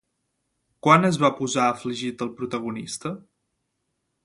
Quan es va posar afligit el protagonista?